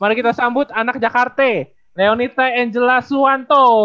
mari kita sambut anak jakarta leonita angela suwanto